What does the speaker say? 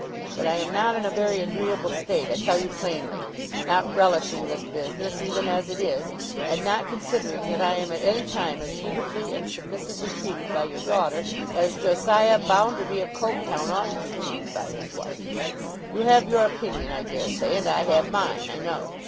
But, I am not in a very agreeable state, I tell you plainly: not relishing this business, even as it is, and not considering that I am at any time as dutifully and submissively treated by your daughter, as Josiah Bounderby of Coketown ought to be treated by his wife. You have your opinion, I dare say; and I have mine, I know.